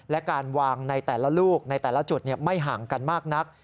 และการวางในแต่ละลูกในแต่ละจุดไม่ห่างกันมากนัก